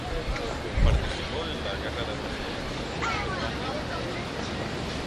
Participó en la Guerra del Rosellón entre España y Francia.